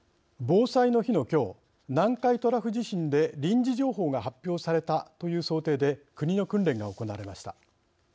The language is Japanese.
防災の日の今日南海トラフ地震で臨時情報が発表されたという想定で国の訓練が行われました。